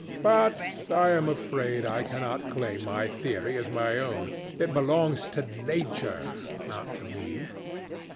"But I am afraid I cannot claim my theory as my own. It belongs to Nature, not to me.